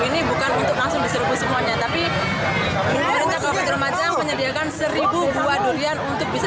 ini bukan untuk langsung diserbu semuanya tapi lumayan menyediakan seribu buah durian untuk bisa